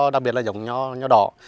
đặc biệt là dòng nho đỏ